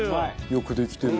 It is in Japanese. よくできてる。